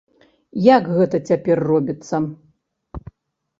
Як гэта цяпер робіцца?